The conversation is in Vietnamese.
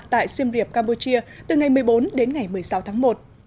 tại siem reap campuchia từ ngày một mươi bốn đến ngày một mươi sáu tháng một